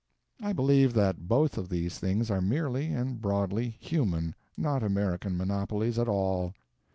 I believe that both of these things are merely and broadly human, not American monopolies at all.